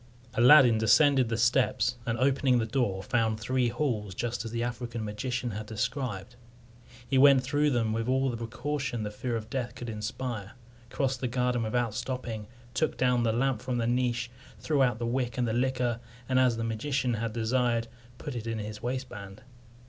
Aladdin descended the steps, and, opening the door, found the three halls just as the African magician had described. He went through them with all the precaution the fear of death could inspire, crossed the garden without stopping, took down the lamp from the niche, threw out the wick and the liquor, and, as the magician had desired, put it in his waistband.